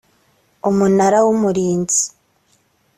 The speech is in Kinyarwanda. umunara w’umurinzi .